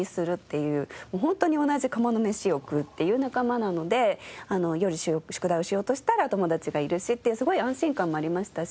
ホントに同じ釜の飯を食うっていう仲間なので夜宿題をしようとしたら友達がいるしっていうすごい安心感もありましたし。